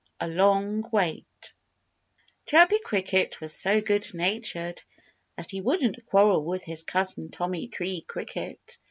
XVI A LONG WAIT Chirpy cricket was so good natured that he wouldn't quarrel with his cousin, Tommy Tree Cricket.